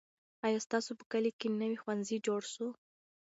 آیا ستاسو په کلي کې نوی ښوونځی جوړ سو؟